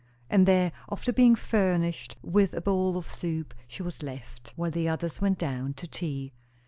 And there, after being furnished with a bowl of soup, she was left, while the others went down to tea.